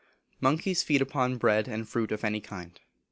Monkeys feed upon bread, and fruit of any kind.